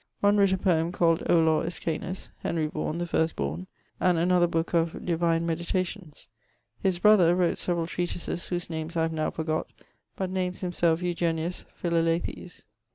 One writt a poeme called Olor Iscanus (Henry Vaughan, the first borne), and another booke of Divine Meditations. His brother wrote severall treatises, whose names I have now forgott, but names himself Eugenius Philalethes.